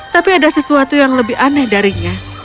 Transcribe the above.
tapi ada sesuatu yang lebih aneh darinya